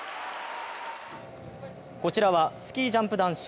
こちらはスキージャンプ男子。